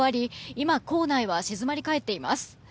今、校内は静まり返っています。